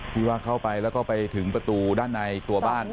ที่ว่าเข้าไปแล้วก็ไปถึงประตูด้านในตัวบ้าน